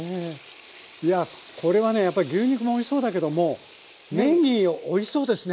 いやこれはねやっぱり牛肉もおいしそうだけどもねぎおいしそうですね